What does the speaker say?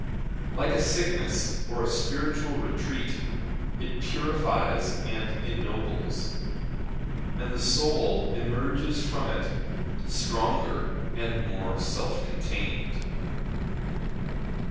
Like a sickness or a spiritual retreat it purifies and ennobles; and the soul emerges from it stronger and more self contained.'